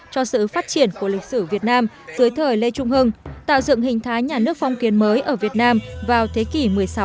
cho sự phát triển của lịch sử việt nam dưới thời lê trung hưng tạo dựng hình thái nhà nước phong kiến mới ở việt nam vào thế kỷ một mươi sáu